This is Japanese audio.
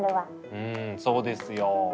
うんそうですよ。